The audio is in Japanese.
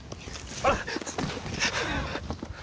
あっ！